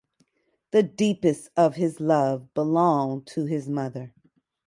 The deepest of his love belonged to his mother.